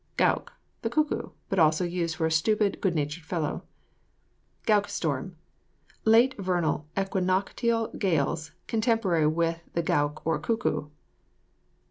GOWK. The cuckoo; but also used for a stupid, good natured fellow. GOWK STORM. Late vernal equinoctial gales contemporary with the gowk or cuckoo.